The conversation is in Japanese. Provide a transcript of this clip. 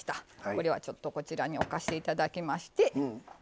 これはちょっとこちらに置かしていただきまして。